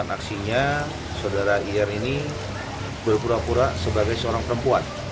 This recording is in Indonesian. aksinya saudara ir ini berpura pura sebagai seorang perempuan